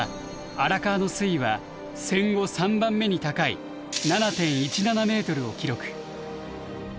荒川の水位は戦後３番目に高い７．１７メートルを記録。